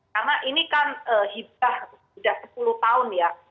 karena ini kan hibah sudah sepuluh tahun ya